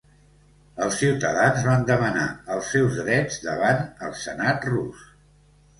Els ciutadans van demanar els seus drets davant el Senat rus.